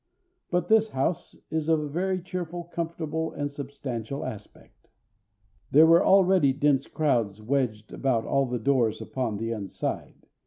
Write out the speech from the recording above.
But this house is of a very cheerful, comfortable, and substantial aspect. There were already dense crowds wedged about all the doors upon the inside.